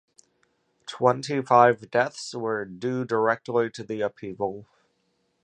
Twenty-five deaths were due directly to the upheaval.